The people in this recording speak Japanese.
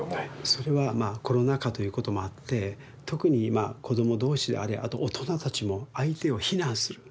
それはコロナ禍ということもあって特に今子ども同士であれあと大人たちも相手を非難する。